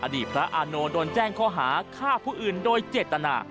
อดีตพระอาโนโดนแจ้งข้อหาฆ่าผู้อื่นโดยเจตนา